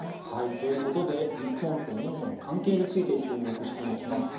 ということで日本とインドの関係について注目していきます。